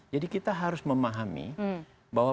jadi kita harus memahami bahwa